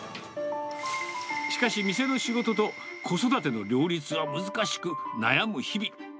しかし、店の仕事と子育ての両立は難しく、悩む日々。